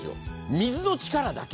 水の力だけ。